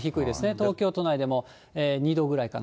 東京都内でも２度ぐらいかな。